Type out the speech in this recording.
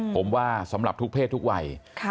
ผมว่าสำหรับทุกเพศทุกวัย